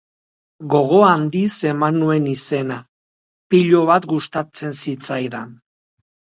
Gogo handiz eman nuen izena, pilo bat gustatzen zitzaidan.